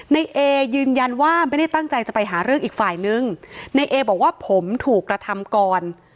ในเอยืนยันว่าไม่ได้ตั้งใจจะไปหาเรื่องอีกฝ่ายนึงในเอบอกว่าผมถูกกระทำก่อน